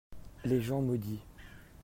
les gens maudits.